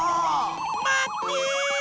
まって！